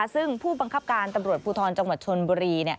ซึ่งผู้บังคับการตำรวจภูทรจังหวัดชนบุรี